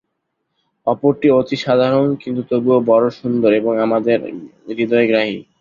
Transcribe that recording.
অপরটি অতি সাধারণ, কিন্তু তবুও বড় সুন্দর এবং আমাদের হৃদয়গ্রাহী।